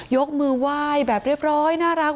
ยกมือไหว้แบบเรียบร้อยน่ารัก